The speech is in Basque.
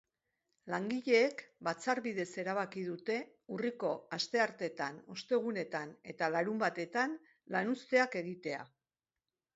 Langileek batzar bidez erabaki dute urriko astearteetan, ostegunetan eta larunbatetan lanuzteak egitea.